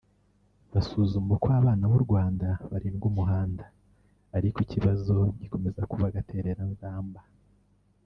basuzuma uko abana b’u Rwanda barindwa umuhanda ariko ikibazo gikomeza kuba agatereranzamba